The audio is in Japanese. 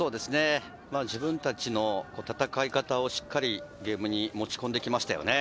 自分達の戦い方をしっかりゲームに持ち込んできましたよね。